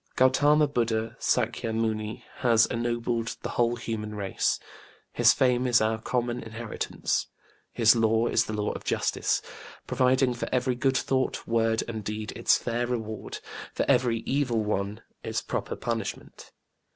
GautĖĢama BudĖĢdĖĢha, SÄkya Muni, has ennobled the whole human race. His fame is our common inheritance. His Law is the law of Justice, providing for every good thought, word and deed its fair reward, for every evil one its proper punishment.